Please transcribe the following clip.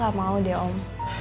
gak mau deh om